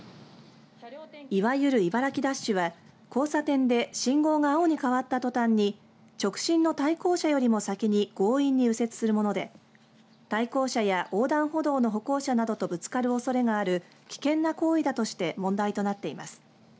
いわゆる茨城ダッシュは交差点で信号が青に変わったとたんに直進の対向車よりも先に強引に右折するもので対向車や横断歩道の歩行者などとぶつかるおそれがある危険な行為だとして問題となっています。